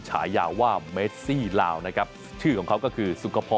ฉายาว่าเลาหนึ่งก็คือ